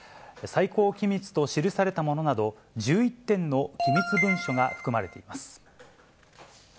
最高機密と記されたものなど、１１点の機密文書が含まれています。